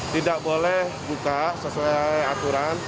tidak boleh buka sesuai aturan